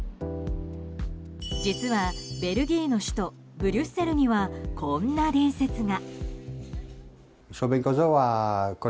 実はベルギーの首都ブリュッセルにはこんな伝説が。